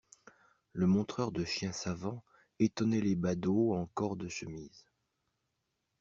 Le montreur de chiens savants étonnait les badauds en corps de chemise.